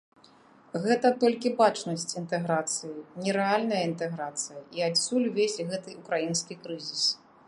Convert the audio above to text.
Гэта толькі бачнасць інтэграцыі, не рэальная інтэграцыя, і адсюль увесь гэты ўкраінскі крызіс.